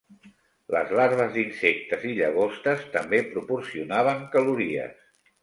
Les larves d'insectes i llagostes també proporcionaven calories.